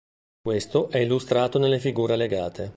Questo è illustrato nelle figure allegate.